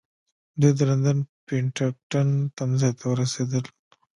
دوی د لندن پډینګټن تمځای ته ورسېدل.